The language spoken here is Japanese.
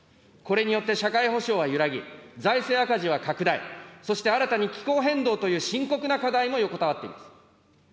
これによって社会保障は揺らぎ、財政赤字は拡大、そして新たに気候変動という深刻な課題も横たわっています。